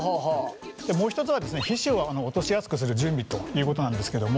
もう一つは皮脂を落としやすくする準備ということなんですけども。